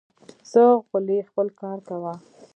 ځه غولی خپل کار کوه